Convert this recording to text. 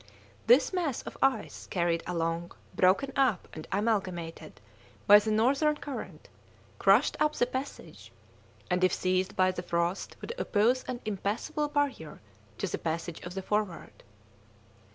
This mass of ice, carried along, broken up and amalgamated by the northern current, crushed up the passage, and if seized by the frost would oppose an impassable barrier to the passage of the Forward.